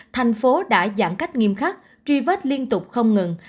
thành phố đã giãn cách nghiêm khắc truy vết liên tục không ngừng